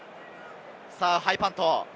さぁ、ハイパント。